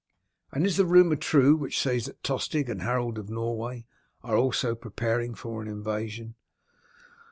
"And is the rumour true which says that Tostig and Harold of Norway are also preparing for an invasion?"